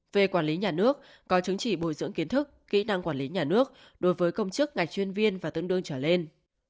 về quản lý nhà nước có chứng chỉ bồi dưỡng kiến thức kỹ năng quản lý nhà nước đối với công chức ngạch chuyên viên và tương đương trở lên